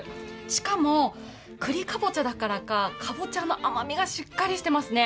しかも、くりかぼちゃだからかかぼちゃの甘みがしっかりしてますね。